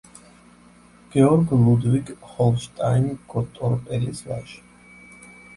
გეორგ ლუდვიგ ჰოლშტაინ-გოტორპელის ვაჟი.